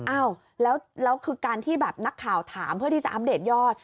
อ้าวแล้วคือการที่แบบนักข่าวถามเพื่อที่จะอัปเดตยอด